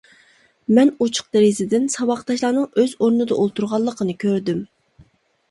مەن ئوچۇق دېرىزىدىن ساۋاقداشلارنىڭ ئۆز ئورنىدا ئولتۇرغانلىقىنى كۆردۈم.